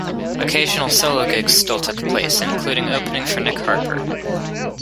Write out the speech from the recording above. Occasional solo gigs still took place, including opening for Nick Harper.